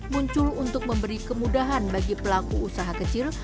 muncul untuk memberi kemudahan bagi pelaku usaha kecil